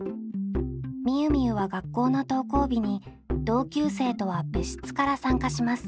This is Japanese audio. みゆみゆは学校の登校日に同級生とは別室から参加します。